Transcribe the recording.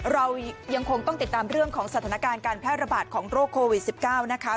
เรายังคงต้องติดตามเรื่องของสถานการณ์การแพร่ระบาดของโรคโควิด๑๙นะคะ